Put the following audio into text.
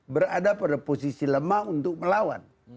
berada pada posisi lemah untuk melawan